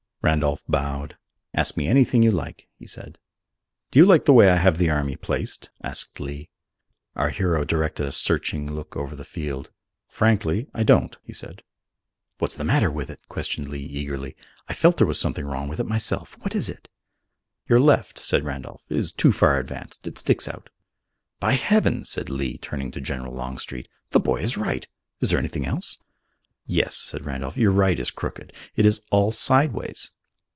Randolph bowed. "Ask me anything you like," he said. "Do you like the way I have the army placed?" asked Lee. Our hero directed a searching look over the field. "Frankly, I don't," he said. "What's the matter with it?" questioned Lee eagerly. "I felt there was something wrong myself. What is it?" "Your left," said Randolph, "is too far advanced. It sticks out." "By Heaven!" said Lee, turning to General Longstreet, "the boy is right! Is there anything else?" "Yes," said Randolph, "your right is crooked. It is all sideways."